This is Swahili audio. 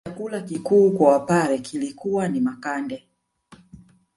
Chakula kikuu kwa wapare kilikuwa ni makande